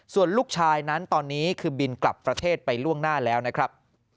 ส่วนลูกชายนั้นตอนนี้คือบินกลับประเทศไปล่วงหน้าแล้วนะครับ